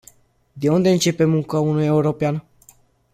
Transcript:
De unde începe munca unui european?